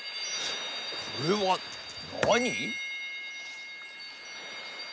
これはなに？